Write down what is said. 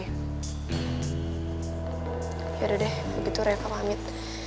yaudah deh kalau begitu reva pamit